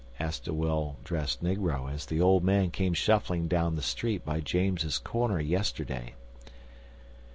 asked a well dressed negro, as the old man came shuffling down the street by James's corner yesterday.